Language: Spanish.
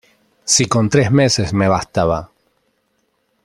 ¡ si con tres meses me bastaba!